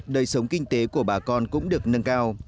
đời sống kinh tế của bà con cũng được nâng cao